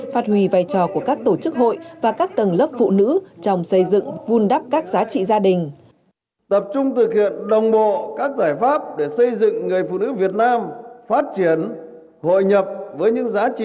phát huy vai trò của các tổ chức hội và các tầng lớp phụ nữ trong xây dựng vun đắp các giá trị gia đình